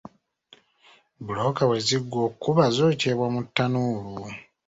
Bbulooka bwe ziggwa okukuba zookyebwa mu ttanuulu.